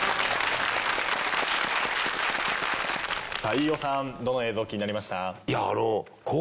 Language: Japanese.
飯尾さんどの映像気になりました？